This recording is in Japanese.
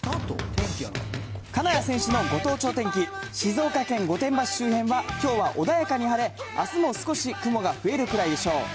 金谷選手のご当地お天気、静岡県御殿場市周辺は、きょうは穏やかに晴れ、あすも少し雲が増えるくらいでしょう。